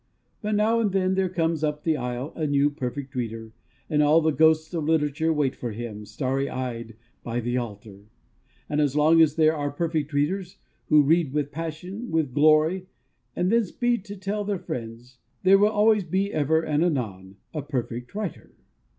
But now and then there comes up the aisle a new Perfect Reader, and all the ghosts of literature wait for him, starry eyed, by the altar. And as long as there are Perfect Readers, who read with passion, with glory, and then speed to tell their friends, there will always be, ever and anon, a Perfect Writer.